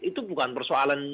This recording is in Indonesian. itu bukan persoalan politik